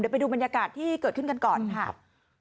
เดี๋ยวไปดูบรรยากาศที่เกิดขึ้นกันก่อนครับ